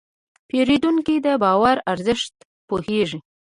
پیرودونکی د باور ارزښت پوهېږي.